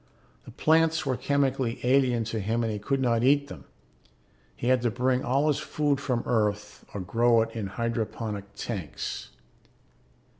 The plants were chemically alien to him and he could not eat them; he had to bring all his food from Earth or grow it in hydroponic tanks.